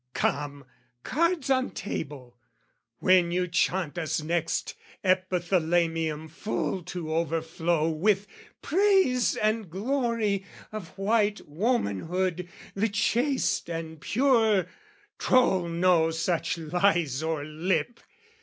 Come, cards on table! When you chaunt us next Epithalamium full to overflow With praise and glory of white womanhood, The chaste and pure troll no such lies o'er lip!